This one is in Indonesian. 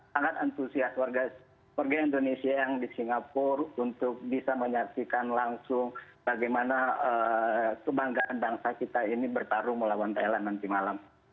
sangat antusias warga indonesia yang di singapura untuk bisa menyaksikan langsung bagaimana kebanggaan bangsa kita ini bertarung melawan thailand nanti malam